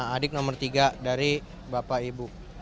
adik nomor tiga dari bapak ibu